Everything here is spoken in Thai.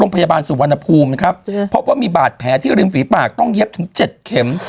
เพราะว่ามีบาดแผลที่ริมฝีปากต้องเย็บถึง๗เค็ม